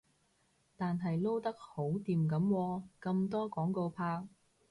但係撈得好掂噉喎，咁多廣告拍